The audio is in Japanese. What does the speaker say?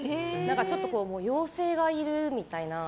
ちょっと妖精がいるみたいな。